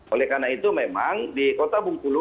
oleh karena itu memang di kota bungkulu